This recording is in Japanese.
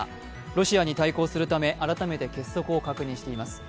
ロシアに対抗するため改めて結束を確認しています。